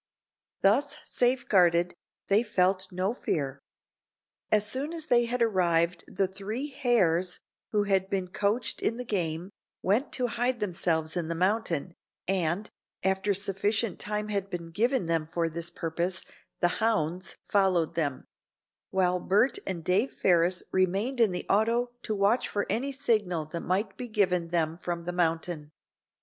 Thus safe guarded, they felt no fear. As soon as they had arrived the three "hares," who had been coached in the game, went to hide themselves in the mountain, and, after sufficient time had been given them for this purpose, the "hounds" followed them; while Bert and Dave Ferris remained in the auto to watch for any signal that might be given them from the mountain.